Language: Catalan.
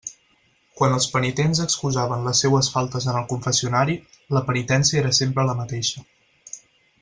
Quan els penitents excusaven les seues faltes en el confessionari, la penitència era sempre la mateixa.